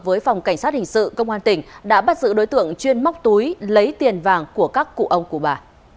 với phòng cảnh sát hình sự công an tỉnh đã bắt giữ đối tượng chuyên móc túi lấy tiền vàng của các cụ ông của bà